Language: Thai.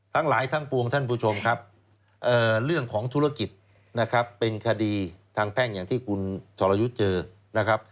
ทั้งหลายทั้งปวงท่านผู้ชมครับเรื่องของธุรกิจนะครับเป็นคดีทางแพ่งอย่างที่คุณสรยุทธ์เจอนะครับ